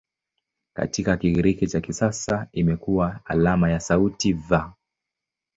Katika Kigiriki cha kisasa imekuwa alama ya sauti "V".